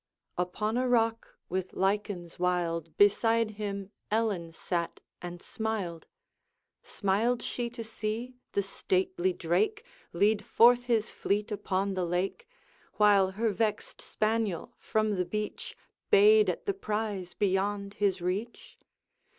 Upon a rock with lichens wild, Beside him Ellen sat and smiled. Smiled she to see the stately drake Lead forth his fleet upon the lake, While her vexed spaniel from the beach Bayed at the prize beyond his reach?